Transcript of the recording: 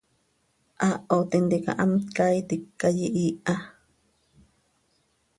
Haaho tintica hamt caaitic cah yihiiha.